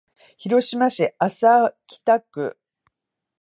広島市安佐北区